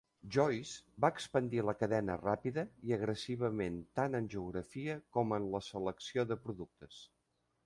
Joyce va expandir la cadena ràpida i agressivament tant en geografia com en la selecció de productes.